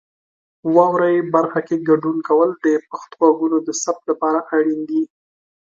واورئ برخه کې ګډون کول د پښتو غږونو د ثبت لپاره اړین دي.